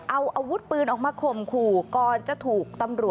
เอาอาวุธปืนออกมาข่มขู่